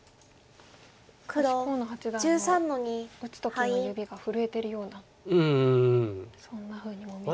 少し河野八段の打つ時の指が震えてるようなそんなふうにも見えますが。